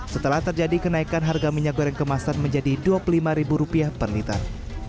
setelah terjadi kenaikan harga minyak goreng kemasan menjadi rp dua puluh lima per liter